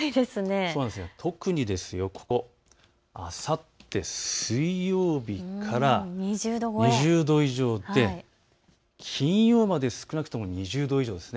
特にあさって水曜日から２０度以上で金曜まで少なくとも２０度以上です。